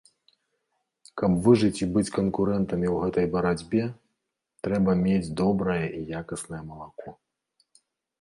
Каб выжыць і быць канкурэнтамі ў гэтай барацьбе, трэба мець добрае і якаснае малако.